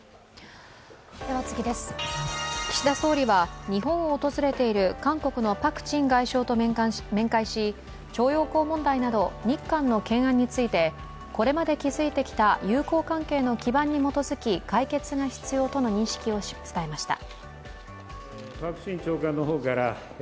岸田総理は日本を訪れている韓国のパク・チン外相と会談し徴用工問題など日韓の懸案について、これまで築いていた友好関係の基盤に基づき、解決が必要との認識を伝えました。